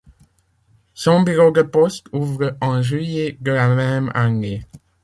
Son bureau de poste ouvre en juillet de la même année.